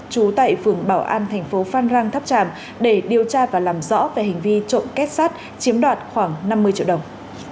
trú tại phường bảo an tp phan rang tháp tràm để điều tra và làm rõ về hình vi trộm kép sát chiếm đoạt khoảng năm mươi triệu đồng